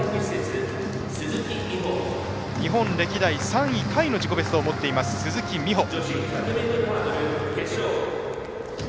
日本歴代３位タイの自己ベストを持っています鈴木美帆。